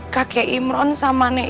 kakek imron sama nek